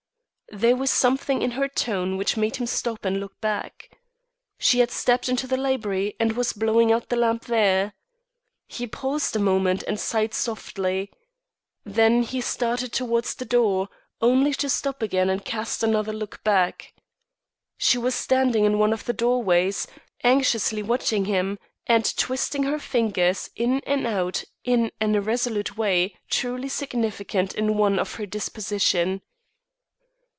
There was something in her tone which made him stop and look back. She had stepped into the library and was blowing out the lamp there. He paused a moment and sighed softly. Then he started towards the door, only to stop again and cast another look back. She was standing in one of the doorways, anxiously watching him and twisting her fingers in and out in an irresolute way truly significant in one of her disposition.